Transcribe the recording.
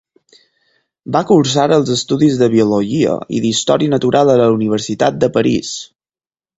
Va cursar els estudis de Biologia i d'història natural a la Universitat de París.